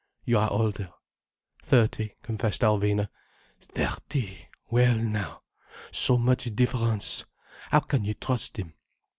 You are older." "Thirty," confessed Alvina. "Thirty! Well now—so much difference! How can you trust him?